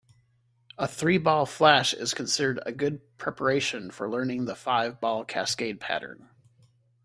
A three-ball flash is considered a good preparation for learning the five-ball cascade pattern.